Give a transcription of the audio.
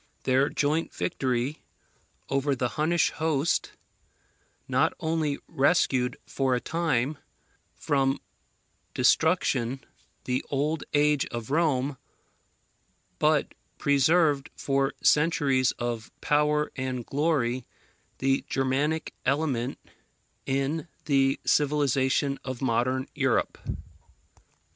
Their joint victory over the Hunnish host not only rescued for a time from destruction the old age of Rome, but preserved for centuries of power and glory the Germanic element in the civilization of modern Europe.